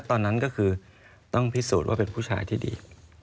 ตอนนั้นก็คือต้องพิสูจน์ว่าเป็นผู้ชายที่ดี